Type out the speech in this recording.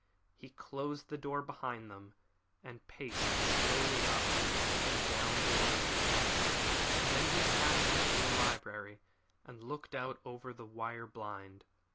He closed the door behind them and paced slowly up and down the room. Then he passed into the library and looked out over the wire blind.